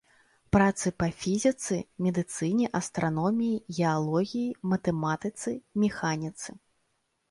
Працы па фізіцы, медыцыне, астраноміі, геалогіі, матэматыцы, механіцы.